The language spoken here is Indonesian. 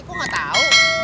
gue gak tau